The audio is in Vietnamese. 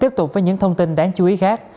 tiếp tục với những thông tin đáng chú ý khác